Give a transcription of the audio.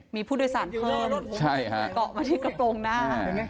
มีผู้โดยสารเพิ่มเกาะมาที่กระโปรงหน้า